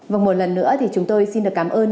và một lần nữa thì chúng tôi xin được cảm ơn